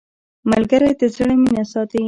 ملګری د زړه مینه ساتي